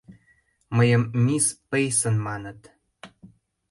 — Мыйым мисс Пейсон маныт.